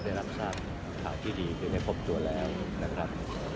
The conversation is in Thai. ได้รับทราบข่าวที่ดีคือได้พบตัวแล้วนะครับ